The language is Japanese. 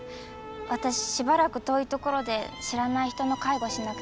私しばらく遠い所で知らない人の介護しなくちゃ。